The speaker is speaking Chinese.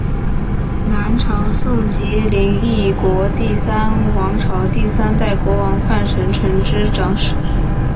南朝宋及林邑国第三王朝第三代国王范神成之长史。